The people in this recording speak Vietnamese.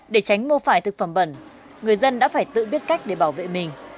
để tránh mua phải thực phẩm bẩn người dân đã phải tự biết cách để bảo vệ mình